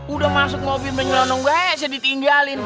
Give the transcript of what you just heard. udah masuk mobil penyulau nonggak saya ditinggalin